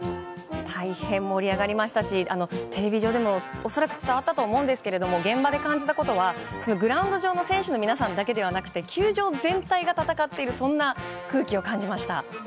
大変盛り上がりましたしテレビ上でも恐らく伝わったと思うんですけど現場で感じたことはグラウンド上の選手の皆さんだけでなくて球場全体が戦っているそんな空気を感じました。